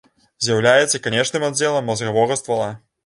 З'яўляецца канечным аддзелам мазгавога ствала.